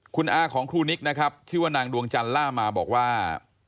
คุณอาของครูนิกนะครับชื่อว่านางดวงจันทร์ล่ามาบอกว่า